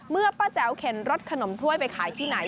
เมื่อป้าแจ๋วเข็นรถขนมถ้วยไปขายที่ไหน